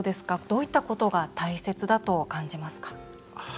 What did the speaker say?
どういったことが大切だと感じますか？